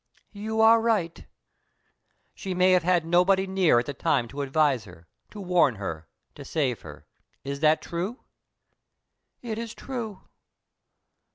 "You are right." "She may have had nobody near at the time to advise her, to warn her, to save her. Is that true?" "It is true."